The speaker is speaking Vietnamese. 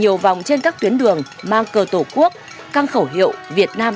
hoàng trí tại trường quay phía nam